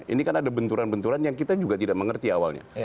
ini kan ada benturan benturan yang kita juga tidak mengerti awalnya